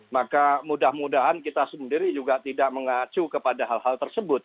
maka mudah mudahan kita sendiri juga tidak mengacu kepada hal hal tersebut